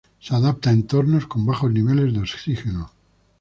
Se adapta a entornos con bajos niveles de oxígeno.